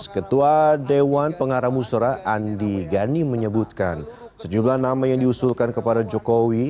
ketua dewan pengarah musora andi gani menyebutkan sejumlah nama yang diusulkan kepada jokowi